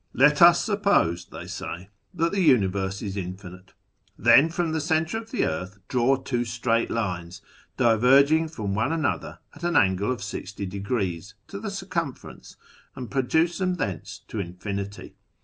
" Let us suppose," they say, " that the Universe is infinite. Then from the centre of the earth draw two straight lines, diverging from one another at an angle of 60°, to the circum ference, and produce them thence to infinity.